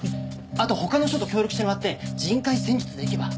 あと他の署と協力してもらって人海戦術でいけば。